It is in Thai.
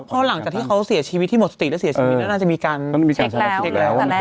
เพราะหลังจากที่เขาเสียชีวิตที่หมดสติแล้วเสียชีวิต